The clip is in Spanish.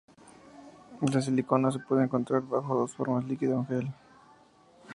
La silicona se puede encontrar bajo dos formas: líquida o en gel.